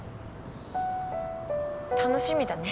楽しみだね。